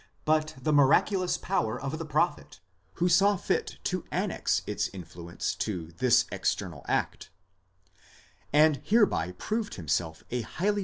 but the miraculous power of the prophet, who saw fit to annex its influence to this external act), and hereby proved himself a highly distin 14 Wetstein, N.